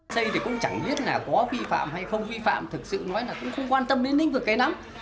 xây thì cũng chẳng biết là có vi phạm hay không vi phạm thực sự nói là cũng không quan tâm đến lĩnh vực ấy lắm